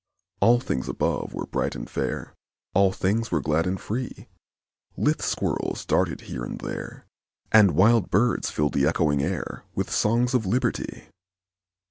All things above were bright and fair, All things were glad and free; Lithe squirrels darted here and there, And wild birds filled the echoing air With songs of Liberty!